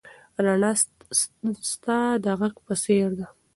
رڼا ستا د غږ په څېر ده.